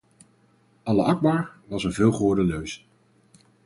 Allah akbar was een veelgehoorde leus.